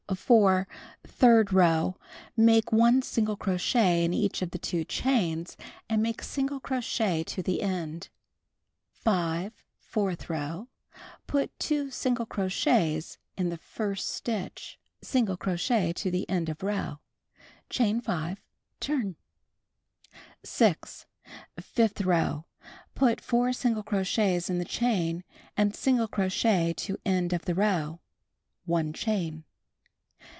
4. Third row: Make 1 single crochet in each of the 2 chains, and make single crochet to the end. 5. Fourth row: Put 2 single crochets in the first stitch; single crochet to the end of row. Chain 5. Turn. 6. Fifth row: Put 4 single crochets in the chain, and single crochet to end of the row. 1 chain.